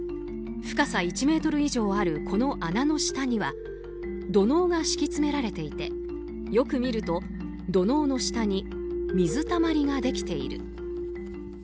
深さ１ｍ以上あるこの穴の下には土のうが敷き詰められていてよく見ると土のうの下に水たまりができている。